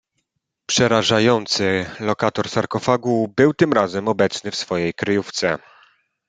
"Przerażający lokator sarkofagu był tym razem obecny w swojej kryjówce."